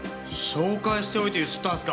紹介しておいて強請ったんっすか？